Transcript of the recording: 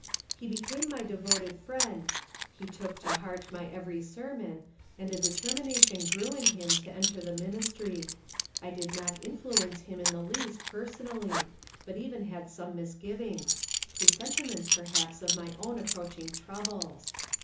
He became my devoted friend, he took to heart my every sermon, and a determination grew in him to enter the ministry. I did not influence him in the least, personally, but even had some misgivings, — presentiments perhaps of my own ap proaching troubles.